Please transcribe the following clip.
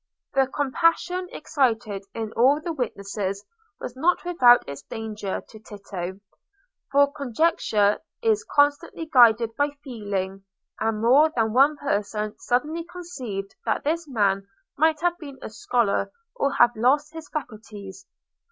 The compassion excited in all the witnesses was not without its danger to Tito; for conjecture is constantly guided by feeling, and more than one person suddenly conceived that this man might have been a scholar and have lost his faculties.